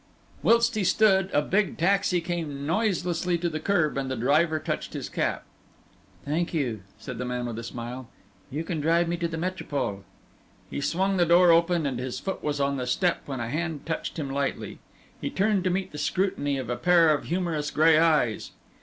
Whilst he stood a big taxi came noiselessly to the curb and the driver touched his cap. "Thank you," said the man with a smile. "You can drive me to the Metropole." He swung the door open and his foot was on the step when a hand touched him lightly, and he turned to meet the scrutiny of a pair of humorous grey eyes.